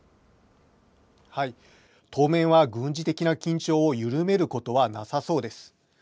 当面は軍事的な緊張を緩めることはなさそうです。